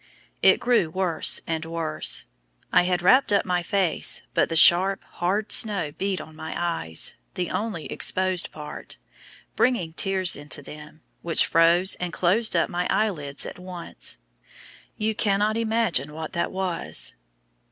It grew worse and worse. I had wrapped up my face, but the sharp, hard snow beat on my eyes the only exposed part bringing tears into them, which froze and closed up my eye lids at once. You cannot imagine what that was.